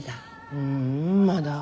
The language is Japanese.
ううんまだ。